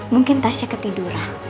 mungkin tasya ketiduran